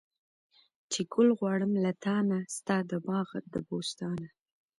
چې ګل غواړم له تانه، ستا د باغه د بوستانه